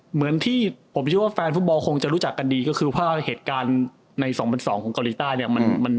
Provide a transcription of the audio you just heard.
เหมือนที่ผมเชื่อว่าแฟนฟุตบอลคงจะรู้จักกันดีก็คือเพราะว่าเหตุการณ์ใน๒๐๐๒ของเกาหลีใต้เนี่ย